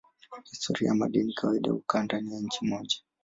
Historia ya madeni kawaida hukaa ndani ya nchi moja.